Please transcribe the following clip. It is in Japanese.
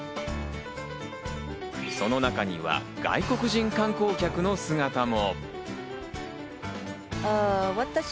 その中には外国人観光客の姿も。